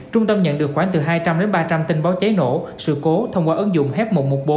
trung tâm nhận được khoảng từ hai trăm linh đến ba trăm linh tin báo cháy nổ sự cố thông qua ứng dụng h một trăm một mươi bốn